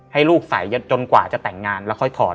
ให้ลูกใส่จนกว่าจะแต่งงานแล้วค่อยถอด